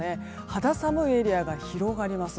肌寒いエリアが広がります。